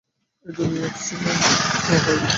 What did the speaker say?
এই দুনিয়ায় অ্যাকসিডেন্ট তো হয়।